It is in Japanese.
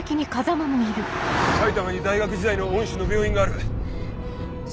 埼玉に大学時代の恩師の病院がある。